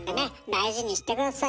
大事にして下さい。